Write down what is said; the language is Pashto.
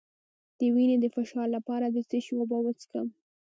د وینې د فشار لپاره د څه شي اوبه وڅښم؟